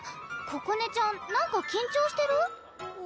ここねちゃんなんか緊張してる？